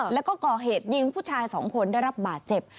แล้วก็ก่อเหตุยิงผู้ชายสองคนได้รับบาดเจ็บ